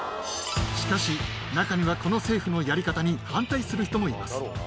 しかし、中にはこの政府のやり方に反対する人もいます。